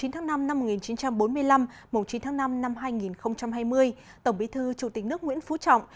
chín tháng năm năm một nghìn chín trăm bốn mươi năm chín tháng năm năm hai nghìn hai mươi tổng bí thư chủ tịch nước nguyễn phú trọng